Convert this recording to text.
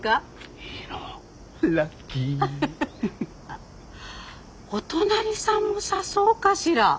あっお隣さんも誘おうかしら。